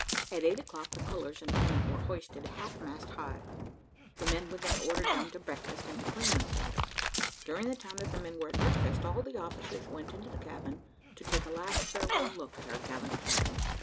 At eight o'clock the colours and pennant were hoisted half mast high. The men were then ordered down to breakfast, and to clean themselves. During the time that the men were at breakfast, all the officers went into the cabin to take a last farewell look at our gallant captain.